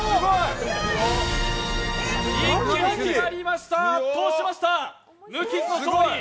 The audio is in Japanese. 一気に決まりました、圧倒しました、無傷の勝利。